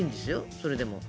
それでも。